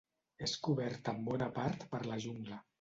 És cobert en bona part per la jungla.